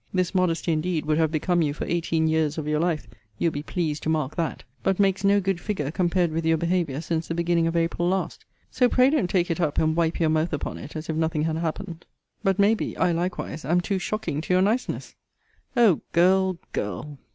This modesty indeed would have become you for eighteen years of your life you'll be pleased to mark that but makes no good figure compared with your behaviour since the beginning of April last. So pray don't take it up, and wipe your mouth upon it, as if nothing had happened. But, may be, I likewise am to shocking to your niceness! O girl, girl!